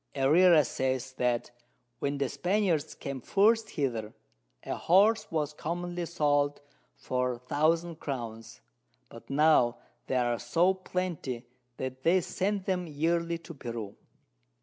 Herrera says, that when the Spaniards came first hither, a Horse was commonly sold for 1000 Crowns, but now they are so plenty that they send them yearly to Peru.